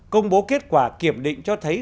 công bố kết quả kiểm định cho thấy